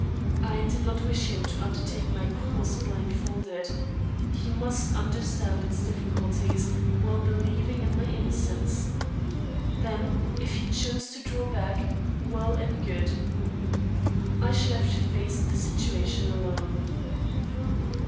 I did not wish him to undertake my cause blindfolded. He must understand its difficulties while believing in my innocence. Then, if he chose to draw back, well and good. I should have to face the situation alone.